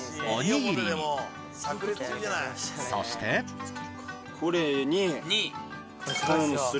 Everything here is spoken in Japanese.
そしてこれに。